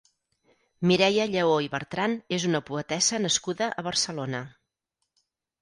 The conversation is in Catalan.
Mireia Lleó i Bertran és una poetessa nascuda a Barcelona.